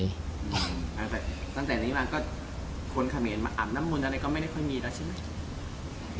ตั้งแต่ตอนนี้มาก็คนเขาเห็นอาบน้ำมุนอะไรก็ไม่ได้ค่อยมีแล้วใช่ไหม